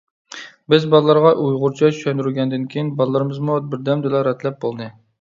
بىز بالىلارغا ئۇيغۇرچە چۈشەندۈرگەندىن كېيىن بالىلىرىمىزمۇ بىردەمدىلا رەتلەپ بولدى.